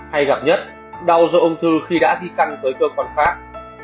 hay gặp nhất đau do ung thư khi đã di căn tới cơ quan khác